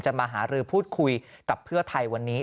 มาหารือพูดคุยกับเพื่อไทยวันนี้